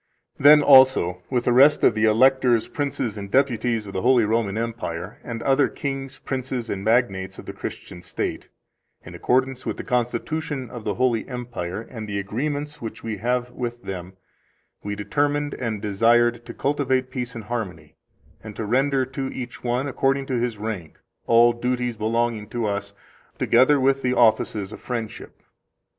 Then, also with the rest of the Electors, Princes, and Deputies of the Holy Roman Empire, and other kings, princes, and magnates of the Christian state, in accordance with the constitution of the Holy Empire, and the agreements which we have with them, we determined and desired to cultivate peace and harmony, and to render to each one, according to his rank, all duties belonging to us, together with the offices of friendship.